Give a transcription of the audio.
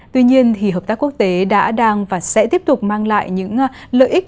tuy nhiên hợp tác quốc tế đã đang và sẽ tiếp tục mang lại những lợi ích